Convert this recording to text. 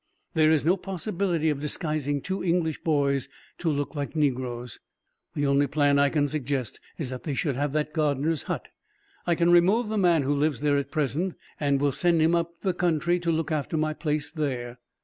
"There is no possibility of disguising two English boys to look like negroes. The only plan I can suggest is that they should have that gardeners' hut. I can remove the man who lives there at present, and will send him up the country to look after my place there.